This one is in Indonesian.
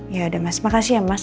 yaudah mas makasih ya mas